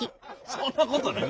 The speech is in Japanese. そんなことない。